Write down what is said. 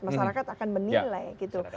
masyarakat akan menilai gitu